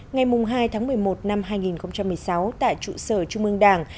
ngày hai một mươi một hai nghìn một mươi sáu tại trụ sở trung ương đảng